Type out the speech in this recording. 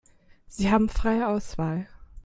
Sie haben freie Auswahl.